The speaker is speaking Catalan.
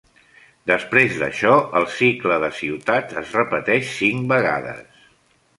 Després d'això, el cicle de ciutats es repeteix cinc vegades.